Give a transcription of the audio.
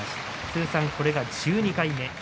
通算これが１２回目。